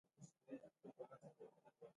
د مرګونو دا روان ناتار به یو ځل درېږي.